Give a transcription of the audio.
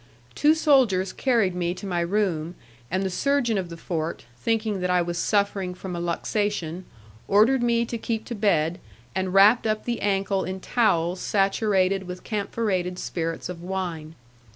Two soldiers carried me to my room, and the surgeon of the fort, thinking that I was suffering from a luxation, ordered me to keep to bed, and wrapped up the ankle in towels saturated with camphorated spirits of wine.